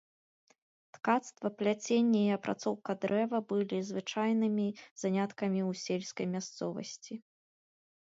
Ткацтва, пляценне і апрацоўка дрэва былі звычайнымі заняткамі ў сельскай мясцовасці.